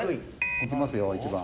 いきますよ１番。